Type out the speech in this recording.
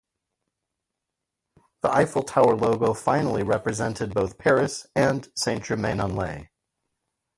The Eiffel Tower logo finally represented both Paris and Saint-Germain-en-Laye.